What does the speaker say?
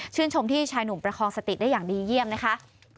ชมที่ชายหนุ่มประคองสติได้อย่างดีเยี่ยมนะคะ